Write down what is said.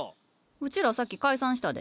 うちらさっき解散したで。